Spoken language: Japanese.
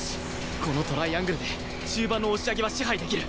このトライアングルで中盤の押し上げは支配できる